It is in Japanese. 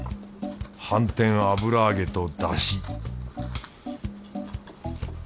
反転油揚げとだし